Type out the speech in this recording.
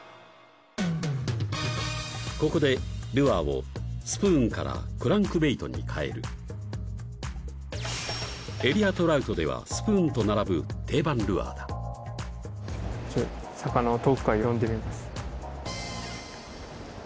ここでルアーをスプーンからクランクベイトにかえるエリアトラウトではスプーンと並ぶ定番ルアーだちょい魚を遠くから呼んでみます